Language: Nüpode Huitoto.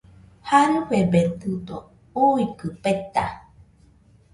Jarɨfededɨdo uikɨ peta